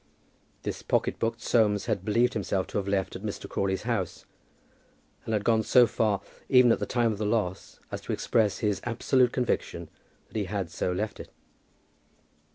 This pocket book Soames had believed himself to have left at Mr. Crawley's house, and had gone so far, even at the time of the loss, as to express his absolute conviction that he had so left it.